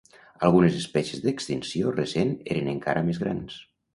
Algunes espècies d'extinció recent eren encara més grans.